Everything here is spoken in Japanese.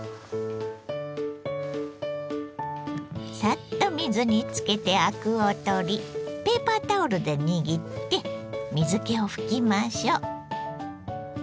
サッと水につけてアクを取りペーパータオルで握って水けを拭きましょう。